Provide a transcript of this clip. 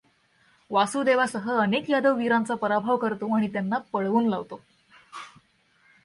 वासुदेवासह अनेक यादव वीरांचा पराभव करतो आणि त्यांना पळवून लावतो.